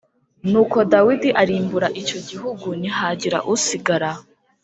Nuko Dawidi arimbura icyo gihugu ntihagira usigara